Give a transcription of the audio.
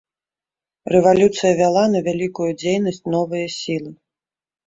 Рэвалюцыя вяла на вялікую дзейнасць новыя сілы.